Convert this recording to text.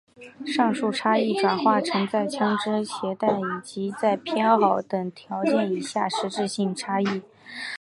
上述差异转化成在枪枝携带以及在偏好等条件以下的实质性差异。